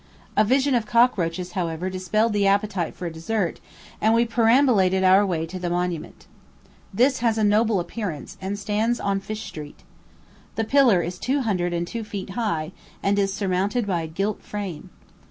A vision of cockroaches, however, dispelled the appetite for a dessert, and we perambulated our way to the Monument. This has a noble appearance, and stands on Fish Street Hill. The pillar is two hundred and two feet high, and is surmounted by a gilt flame.